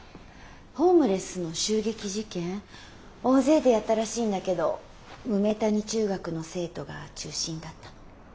ホームレスの襲撃事件大勢でやったらしいんだけど梅谷中学の生徒が中心だったの。